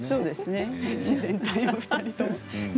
自然体、お二人とも。